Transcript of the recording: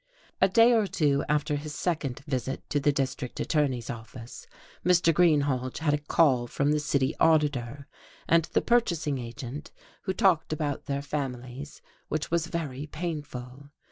A day or two after his second visit to the district attorney's office Mr. Greenhalge had a call from the city auditor and the purchasing agent, who talked about their families, which was very painful.